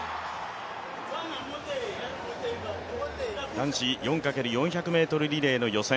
男子４×４００ｍリレーの予選